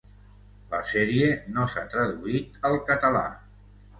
La sèrie no s'ha traduït al català.